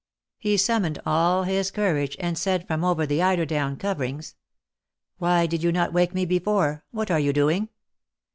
He summoned all his courage, and said from over the eider down coverings : Why did not you wake me before ? What are you doing?"